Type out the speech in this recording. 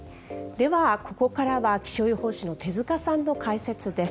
ではここからは気象予報士の手塚さんの解説です。